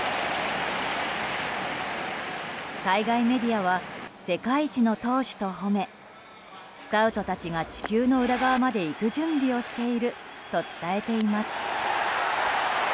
海外メディアは世界一の投手と褒めスカウトたちが地球の裏側まで行く準備をしていると伝えています。